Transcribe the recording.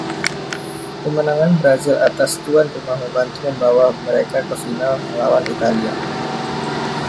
Kemenangan Brasil atas tuan rumah membantu membawa mereka ke final melawan Italia.